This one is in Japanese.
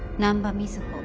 瑞穂